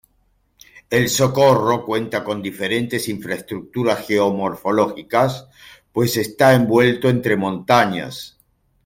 El Socorro cuenta con diferentes infraestructuras geomorfológicas pues esta envuelto entre montañas.